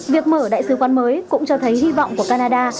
việc mở đại sứ quan mới cũng cho thấy hy vọng của canada